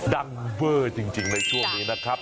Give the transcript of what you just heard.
ดังเวอร์จริงในช่วงนี้นะครับ